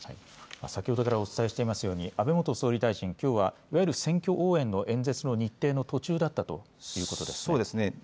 先ほどからお伝えしてますように安倍元総理大臣、きょうは選挙応援の演説の日程の途中だったということですね。